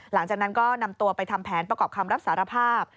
หลังจากนั้นก็นำตัวไปทำแผนประกอบคำรับสารภาพ